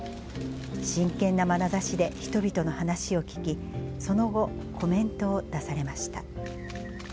真剣なまなざしで人々の話を聞き、その後、コメントを出されました。